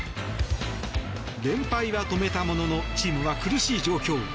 連敗は止めたもののチームは苦しい状況。